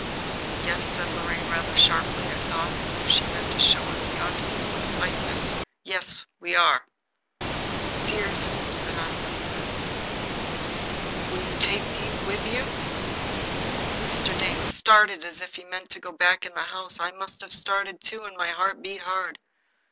"Yes," said Lorraine, rather sharply, I thought, as if she meant to show him he ought to be more decisive, "we are." "Dears," Aunt Elizabeth went on, "will you take me with you?" Mr. Dane started as if he meant to go back into the house. I must have started, too, and my heart beat hard.